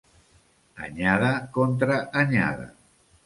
Anyada contra anyada.